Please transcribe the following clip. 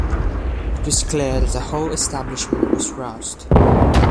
It was clear that the whole establishment was roused.